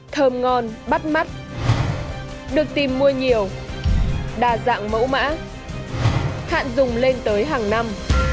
thơm ngon bắt mắt được tìm mua nhiều đa dạng mẫu mã hạn dùng lên tới hàng năm